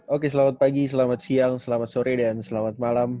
oke selamat pagi selamat siang selamat sore dan selamat malam